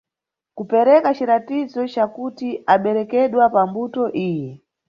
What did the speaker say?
Kupereka ciratizo cakuti aberekedwa pambuto iyi.